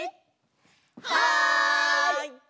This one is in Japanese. はい！